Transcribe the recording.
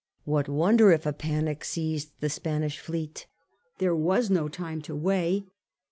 What wonder if a panic seized the Spanish fleet ? There was no time to weigh.